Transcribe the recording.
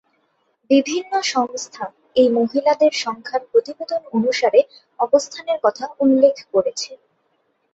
বিভিন্ন সংস্থা এই মহিলাদের সংখ্যার প্রতিবেদন অনুসারে অবস্থানের কথা উল্লেখ করেছে।